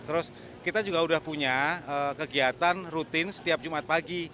terus kita juga sudah punya kegiatan rutin setiap jumat pagi